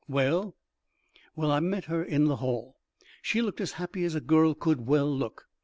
"Well?" "Well, I met her in the hall. She looked as happy as a girl could well look.